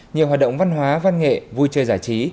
nhiều hoạt động văn hóa văn nghệ vui chơi giải trí